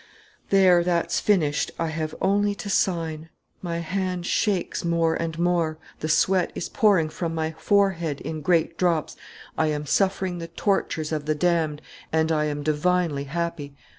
"There, that's finished. I have only to sign. My hand shakes more and more. The sweat is pouring from my forehead in great drops. I am suffering the tortures of the damned and I am divinely happy!